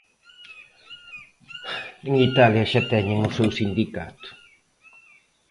En Italia xa teñen o seu sindicato.